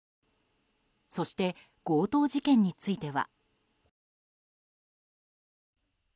そして、強盗事件については。